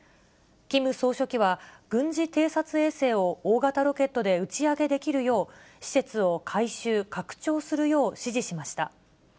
キム総書記は、軍事偵察衛星を大型ロケットで打ち上げできるよう、施設を改修・拡張するよう指示しました。